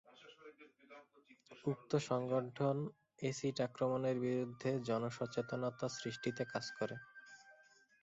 উক্ত সংগঠন এসিড আক্রমণের বিরুদ্ধে জনসচেতনতা সৃষ্টিতে কাজ করে।